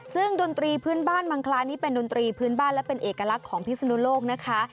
ซึ่งดนตรีพื้นบ้านมังคลานี่เป็นดนตรีพื้นบ้านและเป็นเอกลักษณ์ของพิศนุโลกนะคะ